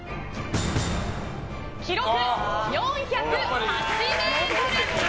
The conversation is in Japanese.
記録、４０８ｍ。